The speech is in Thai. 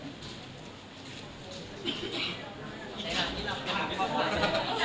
ถ้าน่าตอนเนี้ย